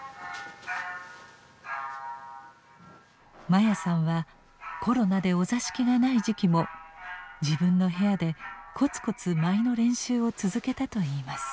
真矢さんはコロナでお座敷がない時期も自分の部屋でコツコツ舞の練習を続けたといいます。